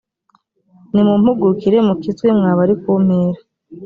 nimumpugukire mukizwe mwa bari ku mpera